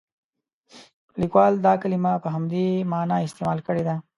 لیکوال دا کلمه په همدې معنا استعمال کړې ده.